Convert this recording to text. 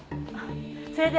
それでは。